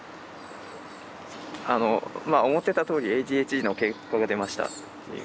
あのまあ思ってたとおりＡＤＨＤの結果が出ましたっていう。